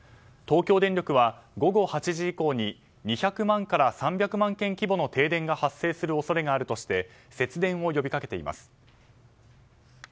東京電力は午後８時以降に２００万から３００万軒規模の停電が発生する恐れがあるとして節電を呼びかけています。